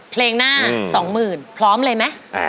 เพลงหน้าสองหมื่นพร้อมเลยไหม